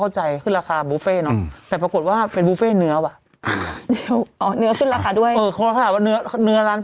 เข้าใจขึ้นราคาเนื้อว่ะพอว่าเนื้อของ